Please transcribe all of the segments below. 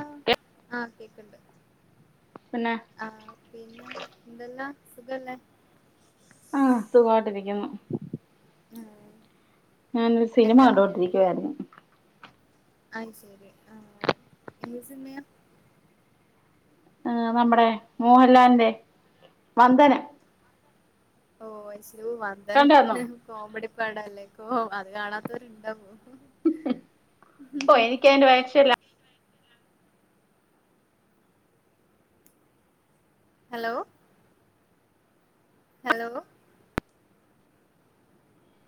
ആഹ് ആഹ് കേക്ക് ണ് ണ്ട് പിന്നെ ആഹ് പിന്ന എന്തെല്ലാ സുഖല്ലെ ആഹ് സുഖവായിട്ട് ഇരിക്കുന്നു ആഹ് ഞാനൊരു സിനിമ എന്താ കണ്ടോണ്ടിരിക്കവായിരുന്നു അയ് ശരി ആഹ് ഏ സിനിമയാ ആഹ് നമ്മടേ മോഹൻലാലിന്റെ വന്ദനം ഓഹ് അയ്സ് യോ കണ്ടായിരുന്നോ വന്ദനം കോമഡി പടല്ലേ കോഹ് അത് കാണാത്തവർ ഇണ്ടാവൊ പോ എനിക്കേന്റെ വക്ഷല്ല ഹലോ ഹലോ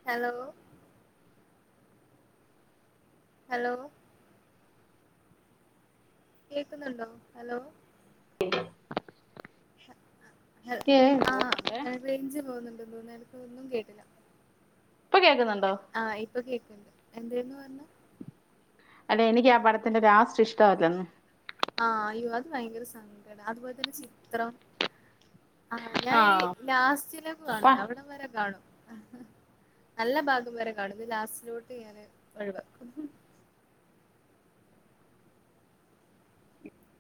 ഹലോ ഹലോ കേക്ക്ന്നുണ്ടോ ഹലോ [unintelligible] [unintelligible] എവ് പോകുന്നുണ്ട് ആഹ് റെയ്ഞ്ച് പോവ്ന്ന്ണ്ട് [unintelligible] ട്ടൊന്നും കേട്ടില്ല ഇപ്പൊ കേൾക്കുന്നുണ്ടോ ആഹ് ഇപൊ കേ എന്തേന്നു പറണ് അല്ലെ എനിക്കാ പടത്തിന്റെ ലാസ്റ്റ് ഇഷ്ടവല്ലാന്നു ആഹ് അയ്യോ അത് ഭയങ്കര സങ്കട ആഹ് ഞാൻ ഈ ആഹ് ലാസ്റ്റിലെ അപ്പ കാണൂല അവിടം വരെ കാണും നല്ല ഭാഗം വരെ കാണും ന്ന് ലാസ്റ്റിലോട്ട് ഞാന് ഒഴിവാകും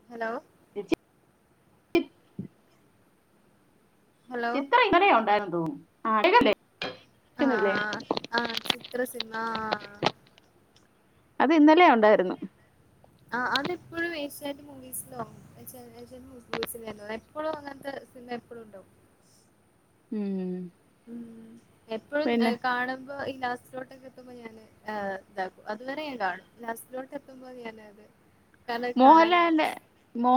ഹലോ ഹലോ ചിത്ര ഇന്നലേം ഒണ്ടായിരുന്ന്‌. [inaudible] ആഹ് ആഹ് ആഹ് ചിത്രം സിൻമ ആഹ് ആഹ് അതിന്നലെയും ഒണ്ടായിരുന്നു. ആ അതിപ്പളും ഏഷ്യാനെറ്റ്‌ മൂവീസിലോ ഏഷ്യ ഏഷ്യാനെറ്റ് [unintelligible] എപ്പളും അങ്ങനത്തെ സിൻമ എപ്പളും ഉണ്ടാകും. ഉം എപ്പഴും പിന്നെ ഏഹ് കാണുമ്പോ ലാസ്റ്റിലൊട്ടൊക്കെ എത്തുമ്പ ഞാന് ഏഹ് ഇതാക്കും അതുവരെ ഞാൻ കാണും ലാസ്റ്റിലോട്ടത്തുമ്പ ഞാനത് കാരണം അത് കാണാൻ മോഹൽലാലിന്റെ കഴിയില്ല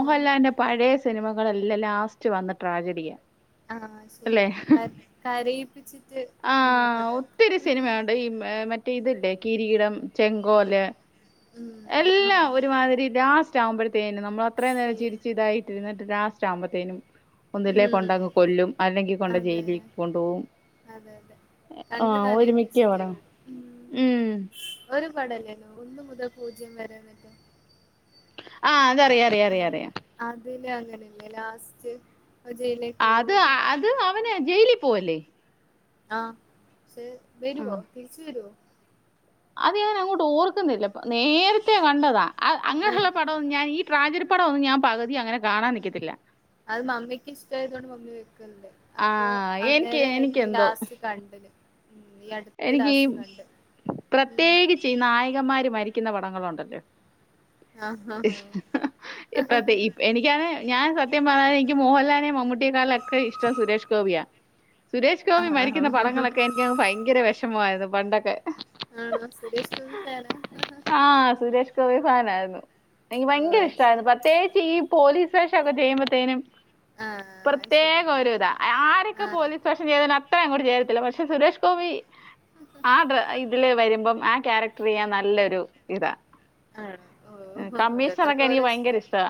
ആഹ് പഴേ സിനിമകളെല്ലാം ലാ സ്റ്റ് വന്ന് ട്രാജെഡിയാ ആഹ് അല്ലേ ശരിയാ കര കരയിപ്പിച്ചിട്ട് അങ്ങോട്ട് ആഹ് ഇതാക്കും ഒത്തിരി സിനിമയൊണ്ട് ഈ ഏഹ് മറ്റേതില്ലേ കിരിടം ചെങ്കോല് ഉം എല്ലാം ആഹ് ഒരുമാതിരി ലാസ് റ്റാവുമ്പഴ് ത്തേനും നമ്മളത്രേം നേരം ശരി ചിരിച്ചിതായിട്ടിരുന്ന്‌ട്ട് ലാസ്‌ റ്റാമ്പത്തേനും ഒന്നുല്ലെ ഉം കൊണ്ടങ്ങ് കൊല്ലും അല്ലങ്കി കൊണ്ടേ അതെ ജയിലിൽ കൊണ്ടോകും അതെ അതെ ആ കണ്ണ് ഒരുമിക്ക നനയിപ്പിച്ചിട്ടേ പടം ഉം പടല്ലാര്ന്നോ ഒന്നുമുതൽ പൂജ്യം വരെന്നൊക്കെ? ആ അതറിയറിയറിയാം. പിന്നെ അങ്ങനെയല്ലേ ലാസ്റ്റ് ജയിലേക്ക് ആത് പോവൂലെ അത് അവന് ജെയിലിൽ പോവുല്ലേ? ആ ഷെ ആ, വരുവോ തിരിച്ച് വരുവോ? അത് ഞാനങ്ങോട്ട് ഓർക്കുന്നില്ല. നേരേത്തെ കണ്ടതാ അ ആഹ് അങ്ങനൊള്ള പടൊന്നും ഈ ട്രാജഡി പട ത്രൊന്നും ഞാൻ പകതി അങ്ങനെ കാണാൻ നിക്കത്തില്ല. അത് മമ്മികിഷ്ട്ടയതോണ്ട് മമ്മി വെക്കൽണ്ട് ആ അപ്പോ അന്നേരേയിരുന്നു ലാസ്റ്റ് കണ്ടത്. ഉം ഈ അടുത്ത് എനിക്കി ലാസ്റ്റ് കണ്ട് ഉം പ്രത്യേകിച്ച് ഈ നായകൻമാര് മരി ക്ക്ന്ന പടങ്ങളൊണ്ടല്ലോ ആഹ് ഇപ്പത്തെ ഈ എനിക്കണേ ഞാൻ സത്യം [unintelligible] മോഹൽലാല്നെ മമ്മുട്ടിയെക്കാളുവൊക്കെ ഇഷ്ട്ടം സുരേഷ്‌ഗോപിയാ. സുരേഷ്‌ഗോപി ആഹ് മരിക്കുന്ന ആഹ് ആഹ് പടങ്ങളൊക്കെ എനിക്കങ്ങ് ഭയ് വെഷമായത് പണ്ടൊക്കെ ആ [inaudible] സുരേഷ് ഫാനായിരുന്നു എനിക്ക് ഓ ഭയങ്കര അത് ശരി ഇഷ്ട്ടായിരുന്നു പ്രെദ്ധിക്കുച്ചു ഈ പോലീസ് ഷ് വേഷംചെയ്യുമ്പൂത്തിനും ആഹ് അത് ശരി പ്രത്യേകം ഒരു ഇതാ ആരൊക്കെ ആഹ് പോലീസ് വേഷം ചെയ്‌ത അപ്പൊ അങ്ങോട്ട് ചേരത്തില പക്ഷെ സുരേഷ് ഗോബി ആ ഇതിലെ വരുമ്പോൾ ആ ക്യാരക്റ്റർ നീ ആ നല്ലൊരു ഇതാ ആണോ ഓ ആ കമ്മീഷർ ഓരോരുത്തർക്ക് ഒക്കെ എനിക്ക് ഓരോ ഇഷ്ടം ഭയങ്കരിഷ്ടാ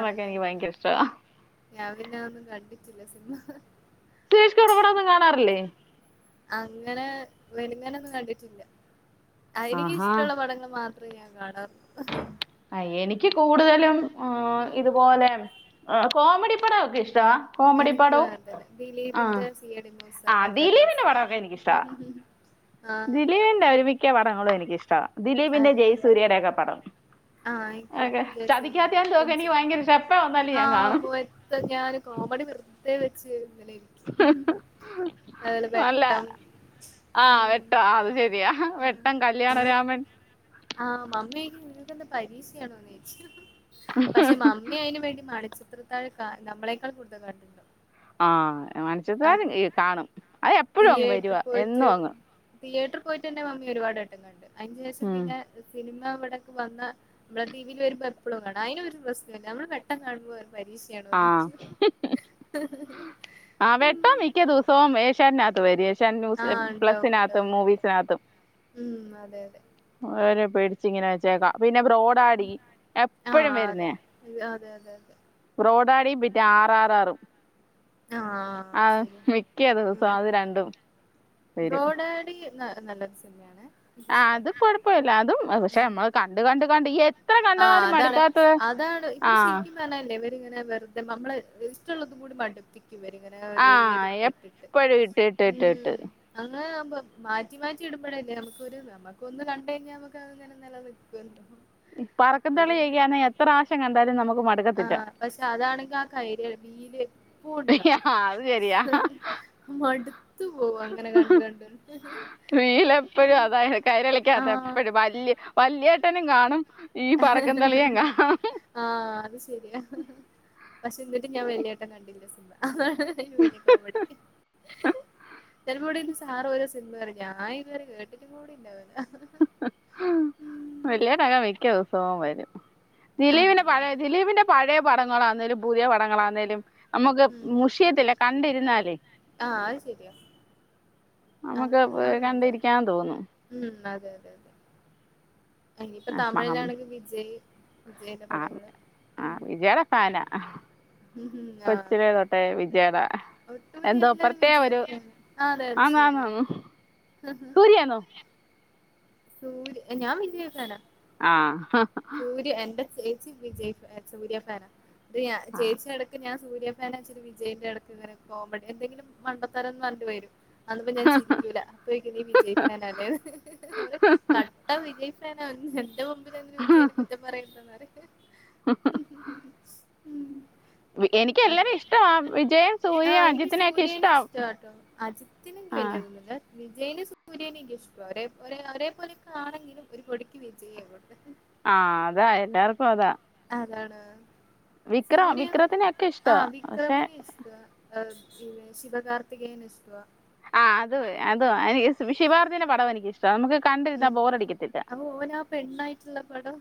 ആണല്ലേ ഞാൻ പിന്നെ ഒന്നും കണ്ടിട്ടില്ല സിനിമ സുരേഷ് ഗോപിടെ പടം ഒന്നും കാണാറില്ലേ അങ്ങനെ വെളുങ്ങനെ ഒന്നും കണ്ടിട്ടില്ല ആ ആഹാ എനിക്കിഷ്ടമുള്ള പാടങ്ങൾ മാത്രം ഞൻ കാണാള്ളു അ എനിക്ക് കൂടുതലും ആ ഉം ഇതുപോലെ കോമഡി ഹാമൊക്കെ ഇഷ്ട ആ ദിലീപിന്റെ സി ഐ ഡി മൂസ, ആ പഞ്ചാബി ഹൌസ് ദിലീപിൻ്റെ മിക്ക പടങ്ങളും എനിക്കിഷ്ടാ ദിലീപിൻ്റെയും അതെ ജയസൂര്യയുടെയും ഓക്കെ പടം ആ എനിക്കും ഓക്കെ ചതിക്കാത്തയാൻ തോക്ക് എനിക്ക് ഭയങ്കര ഇഷ്ട എപ്പ വന്നാലും [unintelligible] ആ ഞാൻ കാണും കോമഡി [unintelligible] ഇരിക്കും അതുപോലെ അല്ല വെട്ടം ആ ഉം. വെട്ടം അതുശരിയാ വെട്ടം ആ, അതൊക്കെ. കല്യാണരാമൻ [unintelligible] പക്ഷേ മമ്മി അതിനു വേണ്ടി കാണിച്ച താഴ് നമ്മളെക്കാൾ കുടുതൽ കണ്ട ആ മണിച്ചിത്രതഴ് കാണും അതു എപ്പോഴും അങ്ങ് വരുവാ എന്നും അങ്ങ് തീയറ്ററിൽ പോയി തന്നെമമ്മി ഒരുപാട് കണ്ട് അതിന്റെ ശേഷം ഉം പിന്നെ പിന്നെ ടീവില് വന്ന കാണും അതിനൊരു പ്രേശ്നമേല്ലേ നമ്മൾ വെട്ടം കാണുമ്പോ ആഹ് [unintelligible] ട്ട മിക്കദിവസവും ഏഷ്യാനെറ്റിൽ വരും ആഹ് ഉണ്ടാവും പ്ലസിനാത്തും ഉണ്ടാവും മൂഴീസി നാത്തും ഉം അതെയതേ കണ്ടവരെ പേടിച്ച് ഇങ്ങനെ വച്ചേക്കാം പിന്നെ ബ്രോ ഡാഡി എപ്പോഴും ആഹ് അതെ വരുന്നയാ അതെ അതെ അതെ ബ്രോ ഡാഡി പിന്നെ ആർ ആർ ആറും ആഹ് ആ ശരി മിക്ക ദിവസവും ആഹ് അത് രണ്ടും വരും. ആ നല്ല സിനിമയാണേ ആ അത് കുഴപ്പമില്ല അതും പക്ഷേ ഉം നമ്മൾ കണ്ട് കണ്ട് കണ്ട് എത്ര ആഹ് കണ്ടാലും അതാണ് മടുക്കാത്ത ആ ഇത് ഇങ്ങനെ വെറുതെ നമ്മൾ ലിസ്റ്റ് ഉള്ളതും കൂടെ [unintelligible] [unintelligible] ആ എപ്പോഴും ഇട്ട് ഇട്ട് ഇട്ട് ഇട്ട് മാറ്റി മാറ്റി ഇടുമ്പോഴല്ലേ നമുക്കൊരു നമുക്ക് ഒന്ന് കണ്ട് കഴിഞ്ഞാൽ നമുക്ക് നിലനിൽക്കുമല്ലോ പറക്കുംതളികയൊക്കെ ആണെങ്കിൽ എത്ര പ്രാവശ്യം കണ്ടാലും നമുക്ക് മടുക്കത്തില്ല. ആഹ് പക്ഷെ അതാണെങ്കി ആ കൈര് വീല് എപ്പോ ഉണ്ടാവും അത് ശരിയാ മടുത്തു പോവും അങ്ങനെ കണ്ട് കണ്ട് ടി. വി എപ്പോഴും അതാ കൈരളിയ്ക്കകത്ത് ആഹ് എപ്പോഴും വലിയ വലിയ ട്ടനും കാണും ഈ പറക്കും തളിയേം കാണും ആ അത് ശരിയ എന്നിട്ടും ഞാൻ വല്യേട്ടൻ കണ്ടില്ല. അതെ വലിയ കോമഡി [unintelligible] സാറ് ഓരോ സിനിമ പറയും ഞാൻ ഇതുവരെ കേട്ടിട്ടുപോലുമില്ല [unintelligible] ദിലീപിന് ആഹ് പഴയ ദിലീപിന്റെ പഴയ പടങ്ങളാണെങ്കിലും, പുതിയ പടങ്ങളാണെങ്കിലും നമ്മക്ക് മുഷിയത്തില്ല കണ്ടിരുന്നാലേ ആ അത് ശരിയാ അത് നമ്മക്ക് അത് നല്ലതന്നെ കണ്ടിരിക്കാൻ തോന്നും ഉം ഇപ്പം ആ മഹം തമിഴിലാണെങ്കിൽ വിജയ് വിജയിന്റെ ആ പടങ്ങൾ ആ വിജയുടെ ഫാനാ കൊച്ചിലെ തൊട്ടേ വിജയുടെ ഒട്ടുമിക്ക എല്ലാരും വിജയി ഫാനാ ആണ് ആണ് ശരിയാ സൂര്യയാണോ സൂര്യ ഞാൻ വിജയ് ഫാനാ ആ സൂര്യ എന്റെ ചേച്ചി വിജയി സൂര്യ ഫാനാ റിയാ ആ ചേച്ചി ഇടയ്ക്ക് ഞാൻ സൂര്യ ഫാനാ വിജയി അടുത്ത് കോമഡി എന്തെങ്കിലും മണ്ടത്തരം [unintelligible] ഇപ്പം ഞാൻ ചിരിക്കുല ചോദിക്കും നീ വിജയി ഫാനല്ലേന്ന്. അവര് കട്ട വിജയി ഫാനാ എന്റെ മുമ്പിൽ [unintelligible] ഹ ഹ എനിക്കെല്ലാരേം ഇഷ്ടാ വിജയൻ സൂര്യ ആഹ് എനിക്ക് അജിത്തിനെയൊക്കെ സൂര്യനെ ഇഷ്ടാ ഇഷ്ടാട്ടോ അജിത്തിനെ എനിക്ക് ആ വലിയ ഇതൊന്നുല്ല വിജയിനെ സൂര്യനെ എനിക്കിഷ്ടാ ഒരേ പോലൊക്കെ ആണെങ്കിലും ഒരു പൊടിക്ക് വിജയിനെയാണ് ആ അതാ എല്ലാർക്കും അതാ അതാണ് വിക്രം വിക്രമത്തിനെക്കെ ഇഷ്ടാ പക്ഷേ ശിവ കാർത്തികേയനെ ഇഷ്ടവാ ആ അത് അത് ശിവ കാർത്തികേന്റെ പട എനിക്കിഷ് ഉം അപ്പൊ ഓൻ ആ പെണ്ണായിട്ടുള്ള പടം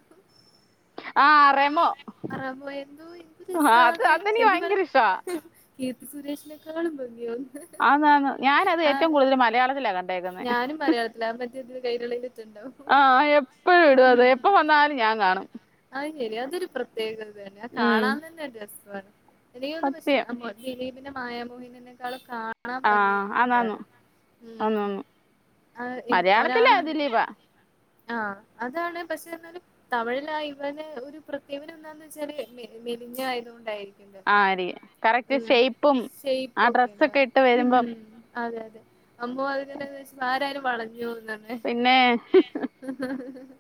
ആ റെമോ റെമോ എന്തൊരു ആ അത് രസാണ് അതെനിക്ക് ശരിക്കും ഭയങ്കര പറഞ്ഞാൽ ഇഷ്ടമാ കീർത്തി സുരേഷിനെക്കാളും ഭംഗി ആന്നാന്ന് ഞാനത് ഏറ്റവും കൂടുതല് മലയാളത്തിലാണ് കണ്ടേക്കുന്നെ ഞാനും മലയാളത്തിലാ മറ്റേ ഇതില് കൈരളിയിലിട്ടുണ്ടാവും ആഹ് ആ എപ്പോഴും ഇടും അത് എപ്പോ വന്നാലും ഞാൻ കാണും അത് ശരിയാ അതൊരു പ്രത്യേക അത് തന്നെ ഉം കാണാൻ തന്നെ ഒരു രസാ സത്യം വാ [unintelligible] ദിലീപിൻ്റെ മായാമോഹിനിനിക്കാളും കാണ കാണാൻ ഭംഗി ആഹ് ആന്നാന്ന് ഇതാണ് ഉം ആന്നാന്ന് മലയാളത്തിലെ [unintelligible] ദിലീപാ ആ അതാണ് പക്ഷേ എന്നാലും തമിഴ്ല് [unintelligible] പ്രത്യേകത എന്ന് വെച്ചാല് മെലിഞ്ഞതായോണ്ടായിരിക്കും ആരിയ കറക്റ്റ് ഷേയ്പ്പും ആ ഡ്രസ്സൊക്കെ ഇട്ട് വരുമ്പം [unintelligible] അതെ അതെ [unintelligible] അതെന്നെ പിന്നെ [unintelligible]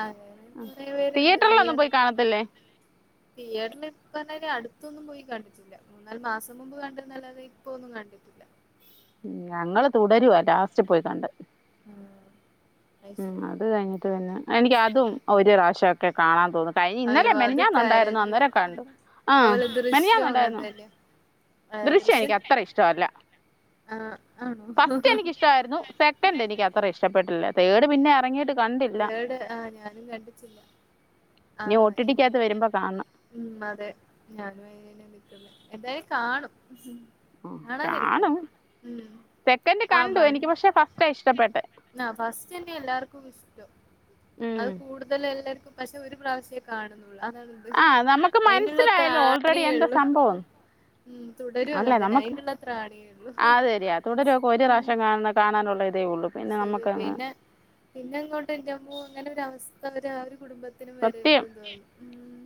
അങ്ങനെ അ കൊറേ തിയേറ്റർലൊന്നും പോയി കാണത്തില്ലേ തിയേറ്റർൽ ഇപ്പന്നാര് അട്ത്തൊന്നും പോയി കണ്ടിട്ടില്ല മൂന്നാലു മാസം മുമ്പ് പോയി കണ്ടെന്നല്ലാതെ ഇപ്പോന്നും കണ്ടിട്ടില്ല ഞങ്ങള് തുടര ലാസ്റ്റ് പോയി കണ്ടത് ഉം അത് കഴിഞ്ഞിട്ട് പിന്നെ എനിക്ക് അതും ഒരു പ്രാവശ്യം ക്കെ കാണാൻ തോന്നുന്നു കഴിഞ്ഞ് ഇന്നലെ അയ്യോ അത് മെനഞ്ഞാന്നൊ ഉണ്ടായിര്ന്നു കരഞ്ഞ് അന്നേരം കണ്ടു ആ അതുപോലെ മിനിഞ്ഞാന്ന് ദൃശ്യം അങ്ങനെ ഉണ്ടായ്രുന്നു തന്നെ ആഹ് ദൃശ്യം ദൃശ്യനിക്ക് അത്ര ഇഷ്ടമല്ല ആഹ് ആണോ ഫസ്റ്റ് എനിക്കിഷ്ടായിരുന്നു സെക്കൻഡ് എനിക്ക് അത്ര ഇഷ്ടപ്പെട്ടില്ല തേർഡ് പിന്നെ എറങ്ങിയിട്ട് തേഡ് ആ ഞാനും കണ്ടിട്ടില്ല ആ ഇനി ഒ ടി ടിക്കകത്ത് [unintelligible] വരുമ്പോ കാണണം ഉം അതെ [unintelligible] എന്തായാലും കാണും ഉം, കാണും കാണാതിരിക്കില്ല സെക്കൻഡ് കണ്ടു എനിക്ക് പക്ഷെ ഫസ്റ്റാ ഇഷ്ടപ്പെട്ടെ [unintelligible] ഉം [unintelligible] [unintelligible] നമുക്ക് അയിനുള്ള മനസ്സിലായല്ലോ ഓൾറെഡി ത്രാണിയേ എന്റെ ഉള്ളൂ സംഭവം ഉം തുടരും അല്ലെ അങ്ങനെ തന്നെ നമുക്ക് അയിനുള്ള ത്രാണിയേ ഉള്ളൂ അഅതുശരി ആ തുടരക്കെ ഒരു ഉം പ്രാവശ്യം കാ കാണാനുള്ള ഇതേ ഉള്ളു ശരി പിന്നെ പിന്നെ ഇങ്ങോട്ട് ജമ്മു അങ്ങനെ [unintelligible] സത്യം വരരുതെന്ന് തോന്നുന്നു ഉം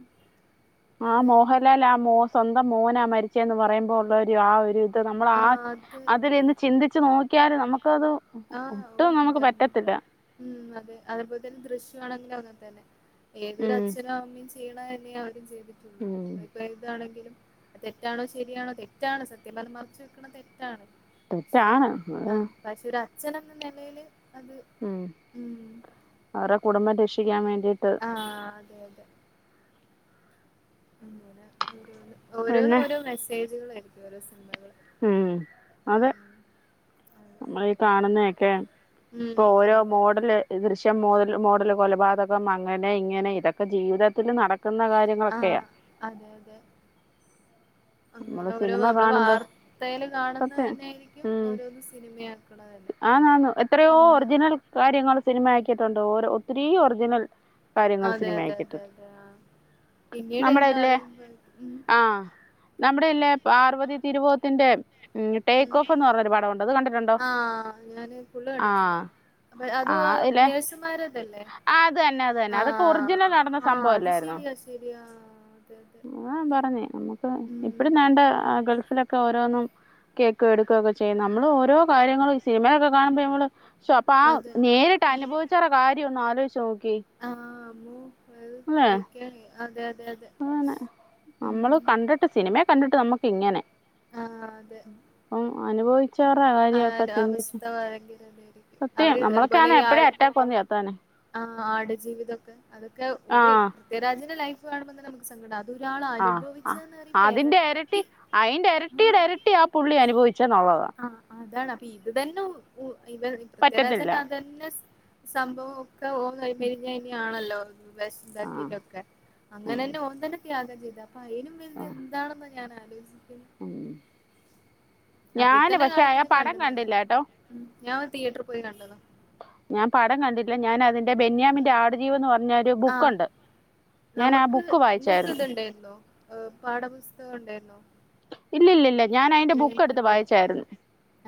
ആ അതെ മോഹൻലാൽ ആ മോ സ്വന്തം മോനാ മരിച്ച- പറയുമ്പോൾള്ള ഒരു ആ ഒരു- നമ്മൾ ആ അതിൽന്ന് ചിന്തിച്ചു നോക്കി ഒ നക്ക് ആഹ് ഉ അതെ അതേപോലെ തന്നെ ദൃശ്യണങ്ങനെന്ന തന്നെ [unintelligible] ഉം [unintelligible] ചെയ്യണ തന്നെയ ആദ്യം ചെയ്യ ഉം അപ്പൊ ഏതാണെങ്കിലും തെറ്റാണോ ശരിയാണോ തെറ്റാണ് സത്യം മറച്ച് വെക്കണ തെറ്റാണ് തെറ്റാണ് അച്ഛന എന്ന നിലയില് അത് ഉം ഉം അവരു കുടുംബം രക്ഷി [unintelligible] [unintelligible] ആഹ് അതെ അതെ അങ്ങനെ ഓരോന്ന് പിന്നെ ഓരോ മെസേജുകളൾ ഇത്വ [unintelligible] ഉം അതെ അതെ നമ്മളീ കാണുന്ന [unintelligible] ഇപ്പൊ ഉം ഓരോ അതെ മോഡല് [unintelligible] [unintelligible] മോഡൽ കൊലപാതകം അങ്ങനെ ഇങ്ങനെ ഇതൊക്കെ ജീവിതത്തിൽ നട നിക്കുന്ന കാര്യങ്ങളൊക്കെയാ ആഹ് അതെ അതെ അങ്ങനെ നമ്മള് ഓരോ സിനിമ നമ്മള് കാണുമ്പോ വാർത്തേല് കാണുന്ന സത്യം തന്നെയായിരിക്കും ഉം ഓരോന്ന് സിനിമയാക്കണത് തന്നെ ആന്ന് ആന്ന് എത്രയോ ഉം ഒറിജിനൽ കാര്യങ്ങൾ സിനിമയാക്കി എന്തോരം ഒത്തിരി ഒറിജിനൽ കാര്യങ്ങൾ അതെ സിനിമ അതെ അതെ ആക്കിയിട്ടുണ്ട് അതെ ആ പിന്നീട നമ്മുടെ മ്മള ഇല്ലേ അറി നമ്മടെയല്ലെ പാർവതി തിരുവോത്തിന്റെ- ടേക്ക് ഓഫ് എന്ന് പറഞ്ഞൊരു പടമുണ്ട് അത് കണ്ടിട്ടുണ്ടോ ആ ഞാനത് ഫുള്ള് കണ്ടിട്ടില്ല ആഹ് അത് ആ നേഴ്സ്മാരെ ആ അതന്നെ അതന്നെ അതൊക്കെ ഒറിജിനൽ നടന്ന ആഹ് അത് സഭവല്ലായിരുന്നോ ശരിയാ ശരിയാ അതെ അതെ എന്നാ പറഞ്ഞേ നമുക്ക് ഉം ഇപ്പഴും ദാണ്ടേ അത് ന്നൊക്കെ ഓരോന്നും കേക്ക് എടുക്കുക്കെ ഒക്കെ ചെയ്യുമ്പോ ഓരോ കാര്യങ്ങൾ സിനിമയിലൊക്കെ കാണുമ്പോള് നമ്മള് ശൊ അപ്പോ ആ അതെ നേരിട്ട് അനുഭവിച്ചവരുടെ കാരി ര്യ ഒന്ന് ആലോചിച്ചു നോ ആ [unintelligible] അതെ അതെ ആണോ നമ്മള് ഉം കണ്ടിട്ട് സിനിമേ കണ്ടി ട്ട് നമ്മക്ക് ഇങ്ങനെ ഉം അനുഭവ- ഹേ അവസ്ഥ സത്യം ഭയങ്കരായിരുന്നു നമ്മളൊക്കെ അതുപോലെ ആണെ ഈ എപ്പഴേ അറ്റാക്ക് വന്ന് ചത്താനെ ആ ആട് ജീവിതക്കെ അതൊക്കെ ഒരു ആഹ് പൃഥ്വിരാജിന്റെ ലൈഫ് ഫ് കാണുമ്പോ തന്നെ നമുക്ക് സങ്കടാവും. ആ ആ അതിന്റെ എരട്ടി ഇരട്ടി അയിന്റെ ആ എരട്ടിയുടെ എരട്ടിആ പുള്ളി അനുഭവിച്ചുന്നുള്ളതാ ആ അതാണ് അപ്പം ഇത് തന്നെ മു - ഇവ് പറ്റത്തില്ല പൃഥ്വിരാജിന്റ അതുതന്നെ - സംഭവം [unintelligible] ആണല്ലോ ലോത് ആഹ് വേഷംതാക്കീട്ടൊക്കെ ഉം അങ്ങനെന്നെ ഓൻത്ന്ന് [unintelligible] അയിലും വലുത് ആഹ് എന്താണെന്ന ഞാൻ ആ ലോചി ഉം ഞാന് പക്ഷേ അവർ കണ്ണ് നെറഞ്ഞു ഉം ഞാനത് തിയറ്ററിൽ പോയി കണ്ടതാ. ഞാൻ പടം ഉം ബെന്യാമിന്റെ ആടുജീവിതന്ന് പറഞ്ഞരു ആ ബുക്ക്ണ്ട്. നമുക്ക് ഇങ്ങക്ക് ഇത് ഉണ്ടായിരുന്നൊ ഹ് പാഠ പുസ്ത സ്തകം ഉണ്ടായിരുന്നൊ? ഇല്ലില്ലി ഞങ്ങക്കുണ്ടെനു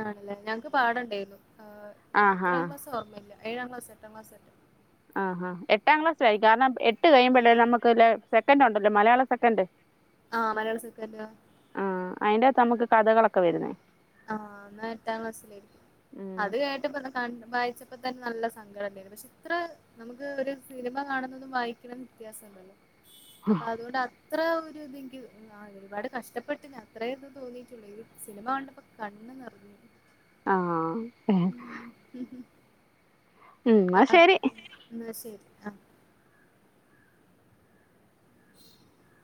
ആണ്ലേ ഞങ്ങക്ക് പാടണ്ടായിരുന്നു ആ ആഹാ എത്രം ക്ലാസ്സാ ഓർമയില്ല. ഏഴാം ക്ലാസ് എട്ടാം ക്ലാസ് തന്നെ ആ ആ എട്ടാം ക്ലാസ്സിലായി കാരണം എട്ട് ട്ട് കഴിയുമ്പോ അല്ലെ നമുക്ക് ഒരു പെട് സെക്കൻഡ് ഉണ്ടല്ലോ മലയാളം സെക്കൻഡ് ആഹ് മലയാളം സെക്കൻഡ് അയിന്റെകത്ത് നമുക്ക് കഥകളൊക്കെ വരുന്നേ അഹ് എന്ന എട്ടാം ക്ലാസ്സിലെ ഉം അത് കഴിഞ്ഞിട്ടിപ്പാ വായി ചെന് നല്ല സങ്കട ഇണ്ടെനെ പക്ഷെ ഇത്ര നമുക്ക് ഒരു സിനിമ കാണുന്നതും വായിക്കുന്നതും വ്യത്യാസം ഉണ്ടല്ലോ അപ്പ അതുടെ ഇത്ര ഒരു നിക്ക് അഹ് ഒരുപാട് കഷ്ടപ്പെട്ട് ഞാൻ ഇത്രേ ഒക്കെ തോന്നിട്ടുള്ളു ഈ ഒരു സിനിമ കണ്ടപ്പോ കണ്ണ് നിറഞ്ഞു ആഹ് ഉം മ്മ് മ്മ് എന്നാ ആഹ് ശരി ന്നാ ശരി അഹ് [unintelligible]